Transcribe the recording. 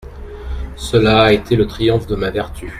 Cela a été le triomphe de ma vertu !